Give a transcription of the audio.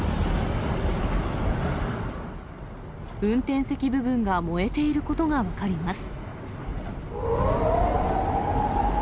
運転席部分が燃えていることが分かります。